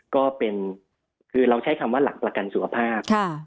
ก็เป็นคือเราใช้คำว่าหลักประกันสุขภาพ